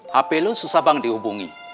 hp lo susah banget dihubungi